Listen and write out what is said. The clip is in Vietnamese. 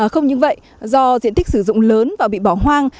không những vậy do diện tích sử dụng lớn và bị bỏ hoang